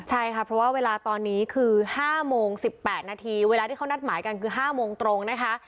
ใช่ค่ะเพราะว่าเวลาตอนนี้คือ๕โมง๑๘นาทีเวลาที่เขานัดหมายกันคือ๕โมงตรงนะคะ